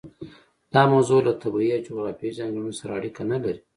دا موضوع له طبیعي او جغرافیوي ځانګړنو سره اړیکه نه لري.